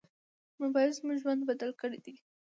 موبایل زموږ ژوند بدل کړی دی.